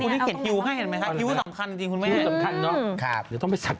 ดูสิเดี๋ยวเพื่อนนะคะมีน้องฉัด